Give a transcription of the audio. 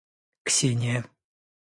Ксения